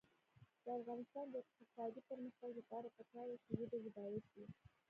د افغانستان د اقتصادي پرمختګ لپاره پکار ده چې ژبې بډایه شي.